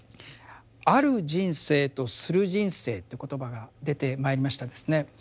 「ある人生」と「する人生」って言葉が出てまいりましたですね。